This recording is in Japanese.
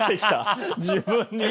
自分に？